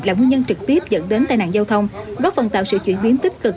là nguyên nhân trực tiếp dẫn đến tai nạn giao thông góp phần tạo sự chuyển biến tích cực